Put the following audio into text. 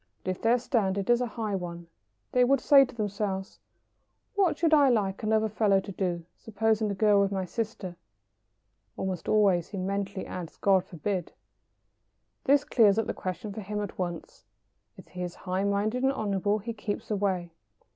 But if their standard is a high one, they would say to themselves: "What should I like another fellow to do, supposing the girl were my sister?" (Almost always he mentally adds, "God forbid!") This clears up the question for him at once. If he is high minded and honourable he keeps away.